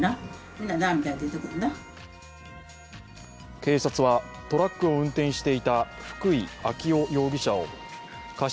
警察は、トラックを運転していた福井暁生容疑者を過失